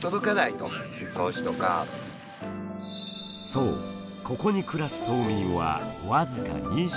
そうここに暮らす島民は僅か２１人。